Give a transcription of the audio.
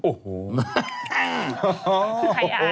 โอ้โห